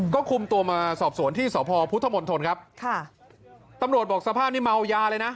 ก็คุมตัวมาสอบสวนที่สพพุทธมนตรครับค่ะตำรวจบอกสภาพนี้เมายาเลยนะ